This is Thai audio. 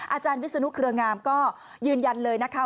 อาจารย์วิศนุเครืองามก็ยืนยันเลยนะคะ